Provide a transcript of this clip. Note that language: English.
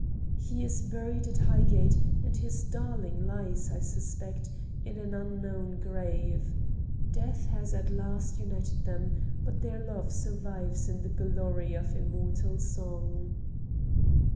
He is buried at Highgate, and his darling lies, I suspect, in an unknown grave. Death has at last united them, but their love survives in the glory of immortal song.